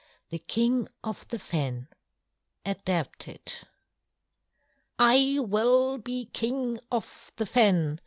THE KING OF THE FEN (Adapted) "I will be King of the Fen!"